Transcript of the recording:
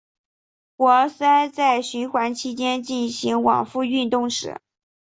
活塞在循环期间进行往复运动时。